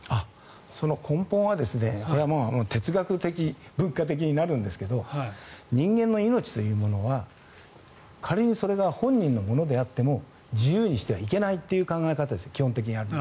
その根本は哲学的、文化的になるんですが人間の命というものは仮にそれが本人のものであっても自由にしてはいけないという考え方が基本的にはある。